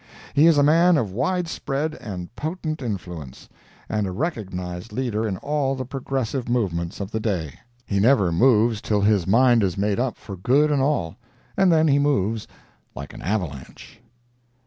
He is a man of wide spread and potent influence, and a recognized leader in all the progressive movements of the day. He never moves till his mind is made up for good and all, and then he moves like an avalanche.